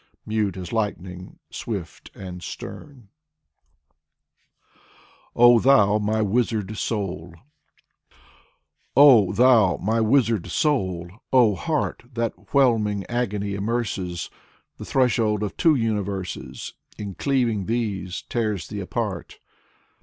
Mute as lightning, swift and stem. Fyodor Tyutchev 29 "OH, THOU, MY WIZARD SOUL" Oh, thou, my wizard soul, oh, heart That whelming agony immerses, The threshold of two universes In cleaving these, tears thee apart.